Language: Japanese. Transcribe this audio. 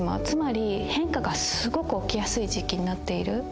つまり変化がすごく起きやすい時期になっている。